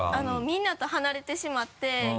みんなと離れてしまって。